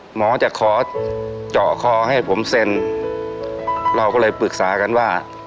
หมอจะขอเจาะคอให้ผมเซ็นเราก็เลยปรึกษากันว่า